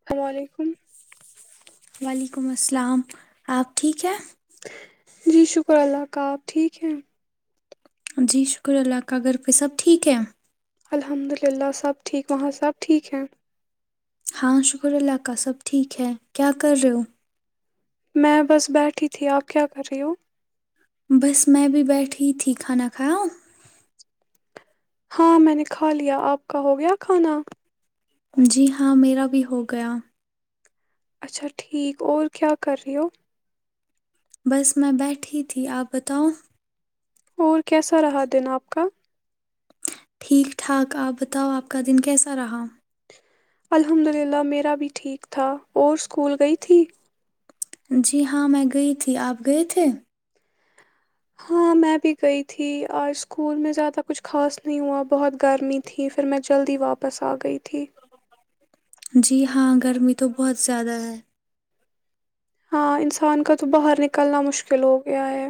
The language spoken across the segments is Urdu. السلام علیکم وعلیکم السلام آپ ٹھیک ہے جی شکر اللہ کا آپ ٹھیک ہیں جی شکر اللہ کا گھر پہ سب ٹھیک ہے الحمد للہ سب ٹھیک وہاں سب ٹھیک ہیں ہاں شکر اللہ کا سب ٹھیک ہے کیا کر رہے ہو؟ میں بس بیٹھی تھی آپ کیا کر رہی ہو بس میں بھی بیٹھی تھی کھانا کھایا ہاں میں نے کھا لیا آپ کا ہو گیا کھانا جی ہاں میرا بھی ہو گیا اچھا ٹھیک اور کیا کر رہی ہو بس میں بیٹھی تھی آپ بتاؤ اور کیسا رہا دن آپ کا ٹھیک ٹھاک آپ بتاؤ آپ کا دن کیسا رہا الحمد للہ میرا بھی ٹھیک تھا اور اسکول گئی تھی جی ہاں میں گئی تھی آپ گئے تھے ہاں میں بھی گئی تھی آج اسکول میں زیادہ کچھ خاص نہیں ہوا بہت گرمی تھی پھر میں جلدی واپس آ گئی تھی جی ہاں گرمی تو بہت زیادہ ہے ہاں انسان کا تو باہر نکلنا مشکل ہو گیا ہے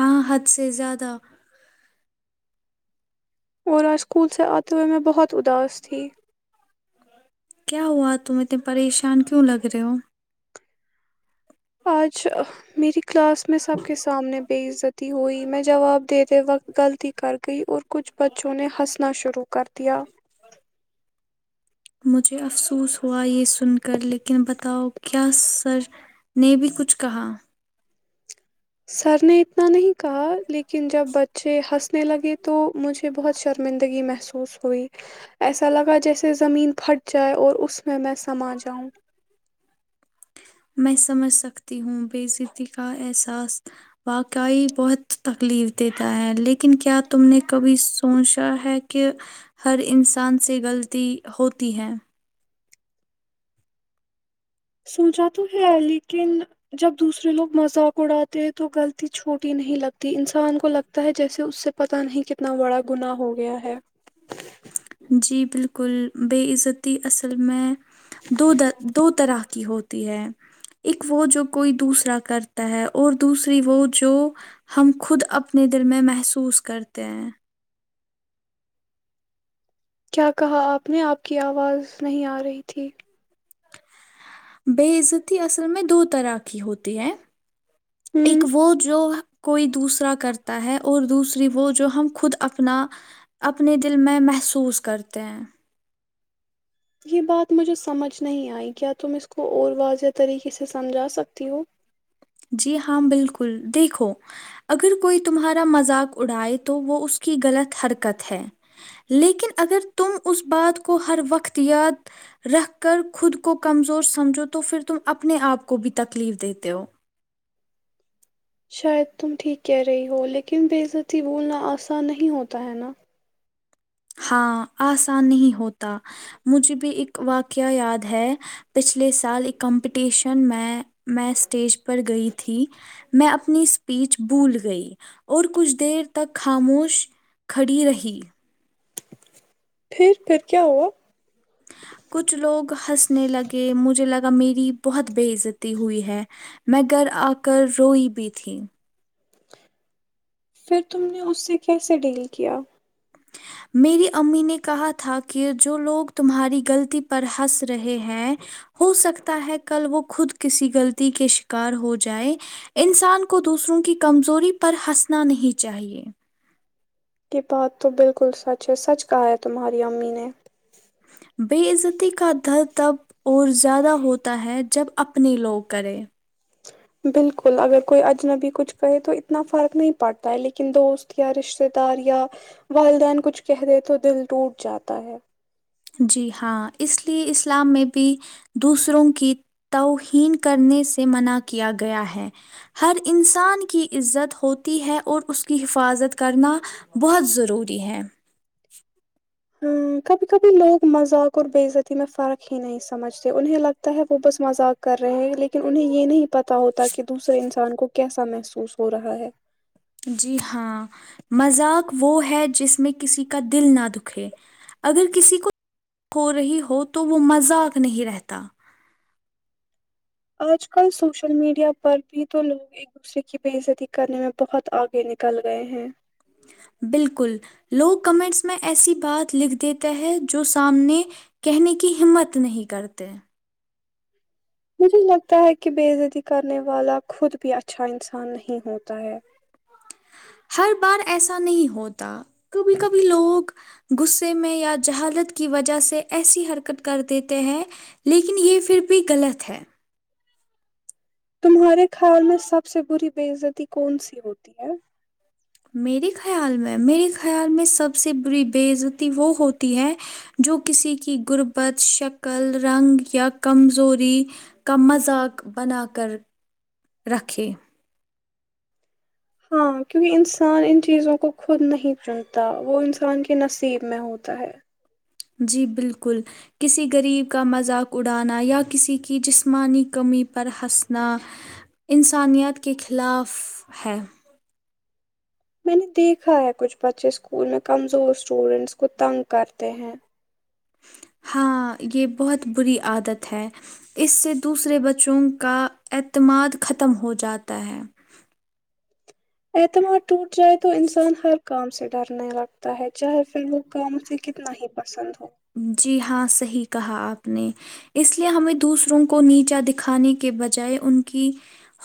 ب حد سے زیادہ اور آج اسکول سے آتے ہوئے میں بہت اداس تھی کیا ہوا تم اتنے پریشان کیوں لگ رہے ہو آج میری کلاس میں سب کے سامنے بے عزتی ہوئی میں جواب دیتے وقت غلطی کر گئی اور کچھ بچوں نے ہنسنا شروع کر دیا مجھے افسوس ہوا یہ سن کر لیکن بتاؤ کہ کیا سر نے بھی کچھ کہا سر نے اتنا نہیں کہا لیکن جب ب ھے ہنسنے لگے تو مجھے بہت شرمندگی محسوس ہوئی ایسا لگا جیسے زمین پھٹ جائے اور اس میں میں میں سما جاؤں میں سمجھ سکتی ہوں بےزتی کا احساس واقعی بہت تکلیف دیتا ہے لیکن کیا تم نے کبھی سوچا ہے کہ ہر انسان سے غلطی ہوتی ہے سوچا تو ہے لیکن جب دوسرے لوگ مذاق اڑاتے ہیں تو غلطی چھوٹی نہیں لگتی انسان کو لگتا ہے جیسے اس سے پت نہیں کتنا بڑا گناہ ہو گیا ہے جی بالکل ب عزتی اصل میں دو د دو طرح کی ہوتی ہے ایک وہ جو کوئی دوسرا کرتا ہے اور دوسری وہ جو ہم خود اپنے دل میں محسوس کرتے ہیں کیا کہا آپ نے آپ کی آواز نہیں آ رہی تھی بےعزتی اصر میں دو طرح کی ہوتی ہیں ہوں ایک وہ جو کوئی دوسرا کرتا ہے اور دوسری وہ جو ہم خود اپنا اپنے دل میں محسوس کرتے ہیں یہ بات مجھے سمجھ نہیں آئی کیا تم اس کو اور واضح طریقے سے سمجھا سکتی ہو جی ہاں بالکل دیکھو اگر کوئی تمہارا مذاق اڑائے تو وہ اس کی غلط حرکت ہے لیکن اگر تم اس بات کو ہر وقت یاد رکھ کر خود کو کمزور سمجھو تو پھر تم اپنے آپ کو بھی تکلیف دیتے ہو شاید تم ٹھیک کہہ رہی ہو لیکن بےزتی بولنا آسان نہیں ہوتا ہے نا ہاں آسان نہیں ہوتا مجھے بھی ایک واقعہ یاد ہے پچھلے سال ایک کمپٹیشن میں میں اسٹیج پر گئی تھی میں اپنی اسپیچ بھول گئی اور کچھ دیر تک خاموش کھڑی رہی پھر پھر کیا ہوا کچھ لوگ ہنسنے لگے مجھے لگا میری بہت بے عزتی ہوئی ہے میں گھر آ کر روئی بھی تھی پھر تم نے اس سے کیسے ڈیل کیا میری امی نے کہا تھا کہ جو لوگ تمہاری غلطی پر ہنس رہے ہیں ہو سکتا ہے کل وہ خود کسی غلطی کے شکار ہو جائے انسان کو دوسروں کی کمزوری پر ہنسنا نہیں چاہیے یہ بات تو بالکل سچ ہے سچ کہا ہے تمہاری امی نے بےعزتی کا در تب اور زیادہ ہوتا ہے جب اپنے لوگ کرے بالکل اگر کوئی اجنبی کچھ کہے تو اتنا فرق نہیں پڑتا ہے لیکن دوست یا رشتے دار یا والدین کچھ کہہ دے تو دل ٹوٹ جاتا ہے جی ہاں اس لیے اسلام میں بھی دوسروں کی توہین کرنے سے منع کیا گیا ہے ہر انسان کی عزت ہوتی ہے اور اس کی حفاظت کرنا بہت ضروری ہے ہاں کبھی کبھی لوگ مذاق اور بے عتی میں فرق ہی نہیں سمجھتے انہیں لگتا ہے وہ بس مذاق کر رہے ہیں لیکن انہیں یہ نہیں پتتا ہوتا کہ دوسرے انسان کو کیسا محسوس ہو رہا ہے جی ہاں مذاق وہ ہے جس میں کسی کا دل نہ دکھے اگر کسی کو ہو رہی ہو تو وہ مذاق نہیں رہتا آج کل سوشل میڈیا پر بھی تو لوگ ایک دوسرے کی بےزتی کرنے میں بہت آگے نکل گئے ہیں بالکل لوگ کمنٹس میں ایسی بات لکھ دیتے ہیں جو سامنے کہنے کی ہمت نہیں کرتے مجھے لگتا ہے کہ بےزتی کرنے والا خود بھی اچھا انسان نہیں ہوتا ہے ہر بار ایسا نہیں ہوتا کبھی کبھی لوگ [inaudible] تمہارے خیال میں سب سے بری بےعزتی کون سی ہوتی ہے [inaudible] ہاں کیونکہ انسان ان چیزوں کو خود نہیں چنتا وہ انسان کے نصیب میں ہوتا ہے جی بالکل کسی غریب کا مذاق اڑانا یا کسی کی جسمانی کمی پر ہنسنا انسانیت کے خلاف ہے میں نے دیکھا ہے کچھ بچے اسکول میں کمزور اسٹوڈینٹس کو تنگ کرتے ہیں ہاں، یہ بہت بری عادت ہے اس سے دوسرے بچوں کا اعتماد ختم ہو جاتا ہے اعتماد ٹوٹ جائے تو انسان ہر کام سے ڈرنے لگتا ہے چاہے پھر وہ کا مجھے کتنا ہی پسند ہو جی ہاں، صحیح کہا آپ نے اس لیے ہمیں دوسروں کو نیچا دکھانے کے بجائے ان کی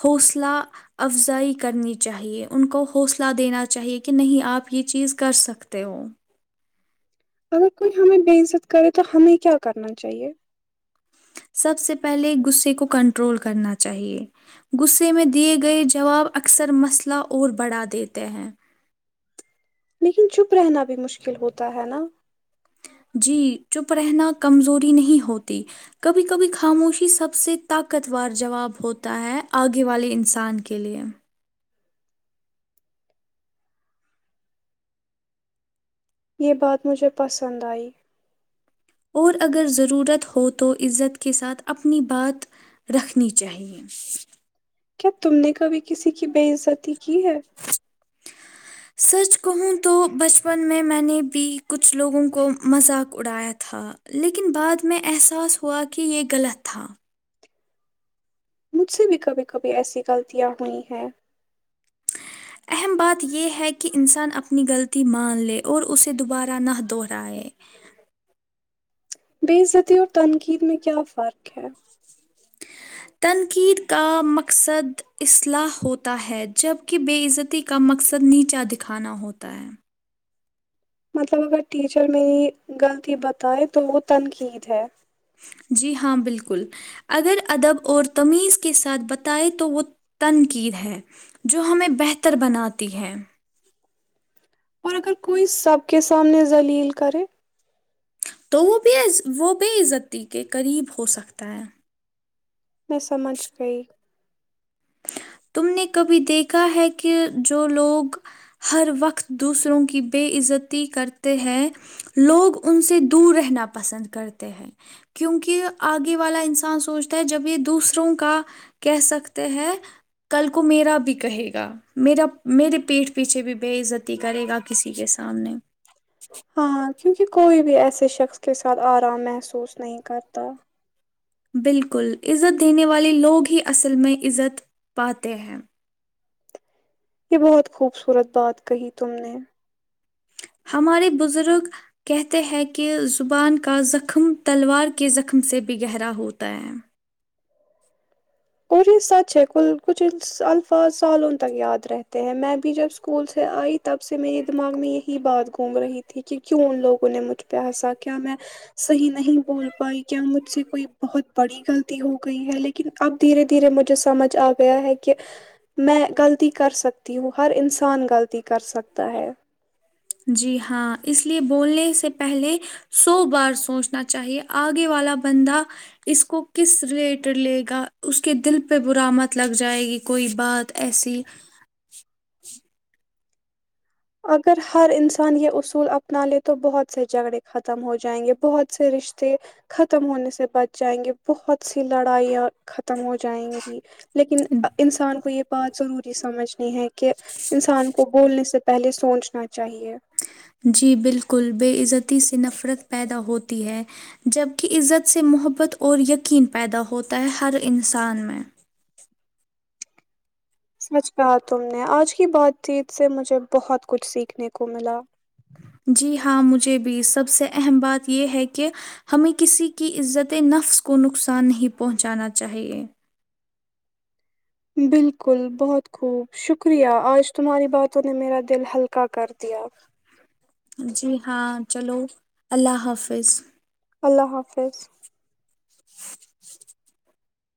حوصلہ افزائی کرنی چاہیے ان کو حوصلہ دینا چاہیے کہ نہیں آپ یہ چیز کر سکتے ہو اگر کوئی ہمیں بے عزت کرے تو ہمیں کیا کرنا چاہیے [inaudible] لیکن چھپ رہنا بھی مشکل ہوتا ہے نا جی چپ رہنا کمزوری نہیں ہوتی کبھی کبھی خاموشی سب سے طاقت وور جواب ہوتا ہے آگے والے انسان کے لئے یہ بات مجھے پسند آئی اور اگر ضرورت ہو تو عزت کے ساتھ اپنی بات رکھنی چاہیے کیا تم نے کبھی کسی کی بےعزتی کی ہے سچ کہوں تو بچپن میں میں نے بھی کچھ لوگوں کو مذاق اڑایا تھا لیکن بعد میں احساس ہوا کہ یہ غلط تھا مجھ سے بھی کبھی کبھی ایسی غلطیاں ہوئی ہیں اہم بات یہ ہے کہ انسان اپنی غلطی مان لے اور اسے دوبارہ نہ دوہرائے بے عزتی اور تنقید میں کیا فرق ہے تنقید کا مقصد اصلاح ہوتا ہے جبک بےعزتی کا مقصد نیچا دکھانا ہوتا ہے مطلب اگر ٹیچر میری غلطی بتائے تو وہ تنقید ہے جی ہاں بالکل اگر ادب اور تمیز کے ساتھ بتائیں تو وہ تنقید ہے جو ہمیں بہتر بناتی ہے اور اگر کوئی سب کے سامنے لیل کرے تو وہ بےعز وہ بےعزتتی کے قریب ہو سکتا ہے میں سمجھ گئی تم نے کبھی دیکھا ہے کہ جو لوگ ہر وقت دوسروں کی بے عزتی کرتے ہیں لوگ ان سے دور رہنا پسند کرتے ہیں کیونکہ آگے والا انسان سوچتا ہے جب یہ دوسروں کا کہہ سکتے ہیں کل کو میرا بھی کہے گا میرا میرے پیٹ پیچھے بھی بےعزتی کرے گا کسی کے سامنے ہاں کیونکہ کوئی بھی ایسے شخص کے ساتھ آرام محسوس نہیں کرتا بالکل عزت دینے والے لوگ ہی اصل میں عزت پاتے ہیں یہ بہت خوبصورت بات کہی تم نے ہمارے بزرگ کہتے ہیں کہ زبان کا زخم تلوار کے زخم سے بھی گہرا ہوتا ہے اور یہ سچ ہے کل کچھ الفاظ سالوں تک یاد رہتے ہیں میں بھی جب اسکول سے آئی تب سے میرے دماغ میں یہی بات گھوم رہی تھی کہ کیوں ان لوگوں نے مجھ پہ ہنسا کیا میں صحیح نہیں بول پائی کیا مجھ سے کوئی بہت بڑی غلط ہو گئی ہے لیکن اب دھیرے دھیرے مجھے سمجھ آ گیا ہے کہ میں غلطی کر سکتی ہوں ہر انسان غلطی کر سکتا ہے جی ہاں اس لیے بولنے سے پہلے سو بار سوچنا چاہیے آگے والا بندہ اس کو کس ریلیٹڈ لے گا اس کے دل پہ برا مت لگ جائے گی کوئی بات ایسی اگر ہر انسان یہ اصول اپنا لے تو بہت سے جھگڑے ختم ہو جائیں گے بہت سے رشتے ختم ہونے سے بچ جائیں گے بہت سی لڑائیاں ختم ہو جائیں گی لیکن انسان کو یہ بات ضروری سمجھ ہے کہ انسان کو بولنے سے پہلے سوچنا تھا جی بالکل بےعزتی سے نفرت پیدا ہوتی ہے جبکہ عزت سے محبت اور یقین پیدا ہوتا ہے ہر انسان میں سچ کہا تم نے آج کی بات چیت سے مجھے بہت کچھ سیکھنے کو ملا جی ہاں مجھے بھی سب سے اہم بات یہ ہے کہ ہمیں کسی کی عزت نفس کو نقصان نہیں پہنچانا چاہیے بالکل بہت خوب شکریہ آج تمہاری باتوں نے میرا دل ہلکا کر دیا جی ہاں چلو اللہ حافظ اللہ حافظ [unintelligible] [inaudible]